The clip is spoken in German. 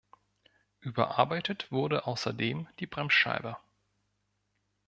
Überarbeitet wurde außerdem die Bremsscheibe.